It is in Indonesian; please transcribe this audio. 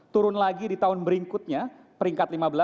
turun lagi di tahun berikutnya peringkat lima belas